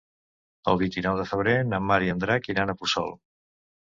El vint-i-nou de febrer na Mar i en Drac iran a Puçol.